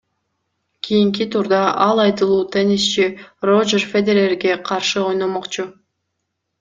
Кийинки турда ал айтылуу теннисчи Рожер Федерерге каршы ойномокчу.